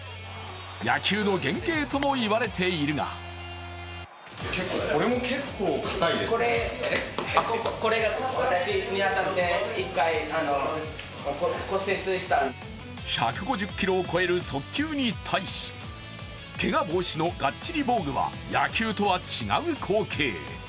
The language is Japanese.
野球の原型とも言われているが１５０キロを超える速球に対し、けが防止のがっちり防具は野球とは違う光景。